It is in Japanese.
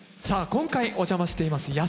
さあ今回お邪魔しています